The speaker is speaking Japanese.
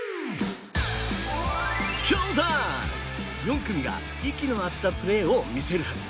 ４組が息の合ったプレーを見せるはず。